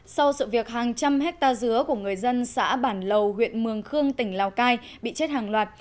sau sự việc hàng trăm hectare dứa của người dân xã bản lầu huyện mường khương tỉnh lào cai bị chết hàng loạt